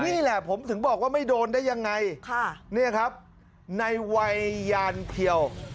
นี่แหละผมถึงบอกว่าไม่โดนได้ยังไงเนี่ยครับในวัยยานเพียว